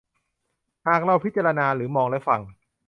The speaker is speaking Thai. หากเราพิจารณาหรือมองและฟัง